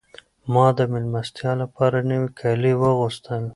ما د مېلمستیا لپاره نوي کالي واغوستل.